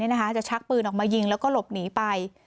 เนี่ยนะคะจะชักปืนออกมายิงแล้วก็หลบหนีไป